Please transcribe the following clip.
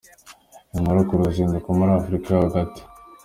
Inkuru ku ruzinduko muri Africa yo hagati”.